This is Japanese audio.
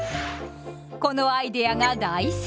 このアイデアが大成功！